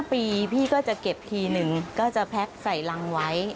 ปีพี่ก็จะเก็บทีนึงก็จะแพ็คใส่รังไว้